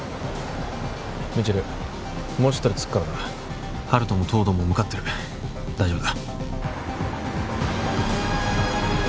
未知留もうちょっとで着くからな温人も東堂も向かってる大丈夫だ